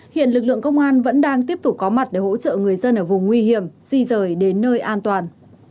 các đơn vị công an vẫn đang tiếp tục có mặt để hỗ trợ người dân ở vùng nguy hiểm di rời đến nơi an toàn